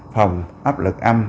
phòng áp lực âm